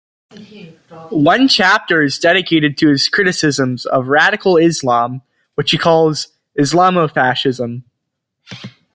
One chapter is dedicated to his criticisms of radical Islam, which he calls "Islamofascism".